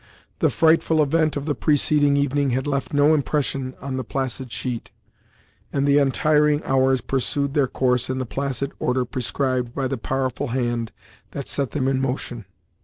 The frightful event of the preceding evening had left no impression on the placid sheet, and the untiring hours pursued their course in the placid order prescribed by the powerful hand that set them in motion.